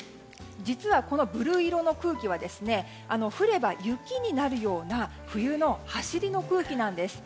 実は、このブルー色の空気は降れば雪になるような冬の走りの空気なんです。